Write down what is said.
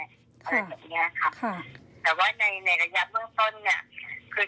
แต่ว่าในระยะเรื่องต้นคือ